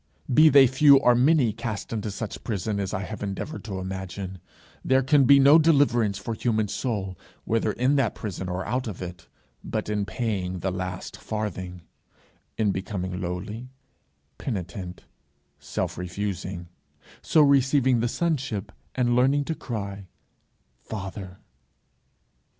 Be they few or many cast into such prison as I have endeavoured to imagine, there can be no deliverance for human soul, whether in that prison or out of it, but in paying the last farthing, in becoming lowly, penitent, self refusing so receiving the sonship, and learning to cry, Father!